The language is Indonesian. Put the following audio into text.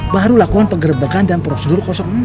baru lakukan penggerbekan dan prosedur enam